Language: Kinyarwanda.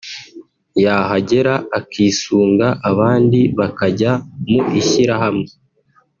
yahagera akisunga abandi bakajya mu ishyirahamwe